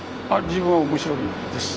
自分は面白いです。